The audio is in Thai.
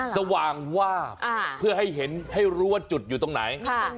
สว่างวาบเพื่อให้เห็นให้รู้ว่าจุดอยู่ตรงไหน